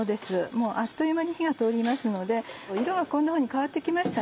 もうあっという間に火が通りますので色がこんなふうに変わって来ました